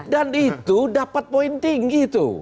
itu dapat poin tinggi tuh